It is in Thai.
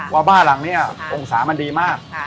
ว่าบ้านหลังนี้องศามันดีมาก